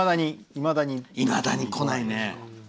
いまだに来ないね。